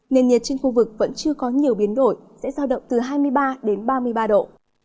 nền nhiệt trên khu vực vẫn chưa có nhiều biến đổi sẽ giao động từ hai mươi ba đến ba mươi ba độ